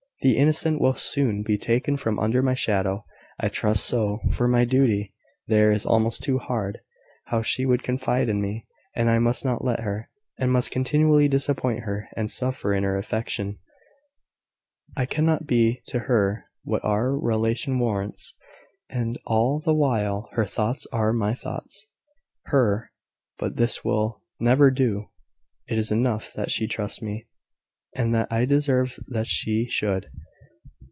The innocent will soon be taken from under my shadow I trust so for my duty there is almost too hard. How she would confide in me, and I must not let her, and must continually disappoint her, and suffer in her affection. I cannot even be to her what our relation warrants. And all the while her thoughts are my thoughts; her... But this will never do. It is enough that she trusts me, and that I deserve that she should.